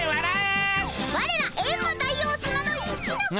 われらエンマ大王さまの一の子分。